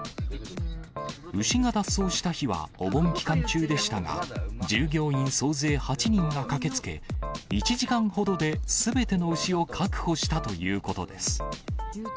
牛が脱走した日はお盆期間中でしたが、従業員総勢８人が駆けつけ、１時間ほどですべての牛を確保したということです。